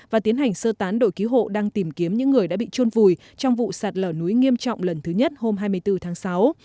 và tiến hành sơ tán đội cứu hộ đang tìm kiếm những người đã bị trôn vùi trong vụ sạt lở núi nghiêm trọng lần thứ nhất hôm hai mươi bốn tháng sáu